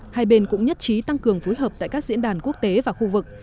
hai bên cũng nhất trí tăng cường phối hợp tại các diễn đàn quốc tế và khu vực